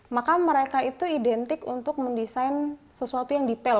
maka mereka itu identik untuk mendesain sesuatu yang detail